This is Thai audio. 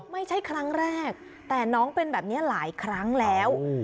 ไม่ใช่ครั้งแรกแต่น้องเป็นแบบนี้หลายครั้งแล้ว